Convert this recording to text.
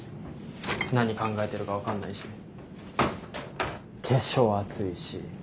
何考えてるか分かんないし化粧厚いし。